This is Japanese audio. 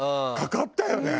かかったよね。